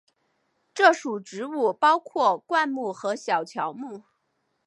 这属植物包括灌木和小乔木。